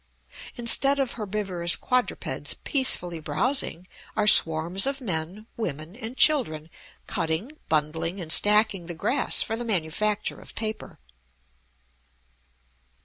Instead of herbivorous quadrupeds peacefully browsing, are swarms of men, women, and children cutting, bundling, and stacking the grass for the manufacture of paper.